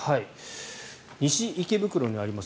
西池袋にあります。